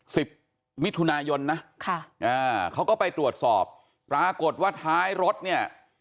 สิบมิถุนายนนะค่ะอ่าเขาก็ไปตรวจสอบปรากฏว่าท้ายรถเนี่ย